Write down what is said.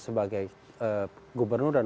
sebagai gubernur dan